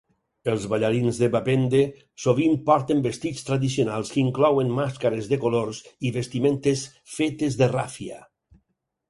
Els ballarins de Bapende sovint porten vestits tradicionals que inclouen màscares de colors i vestimentes fetes de ràfia.